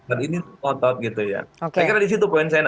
ini kokot gitu ya